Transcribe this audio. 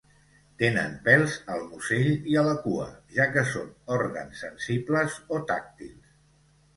Tenen pèls al musell i a la cua, ja que són òrgans sensibles o tàctils.